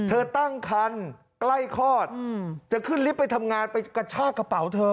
ตั้งคันใกล้คลอดจะขึ้นลิฟต์ไปทำงานไปกระชากระเป๋าเธอ